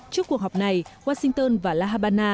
trước cuộc họp này washington và la habana